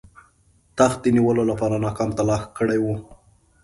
تخت د نیولو لپاره ناکام تلاښ کړی وو.